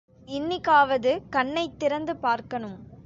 இன்னிக்காவது கண்ணைத் திறந்து பார்க்கணும்.